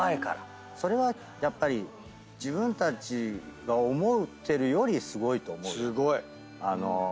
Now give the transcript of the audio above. それはやっぱり自分たちが思ってるよりすごいと思うよ。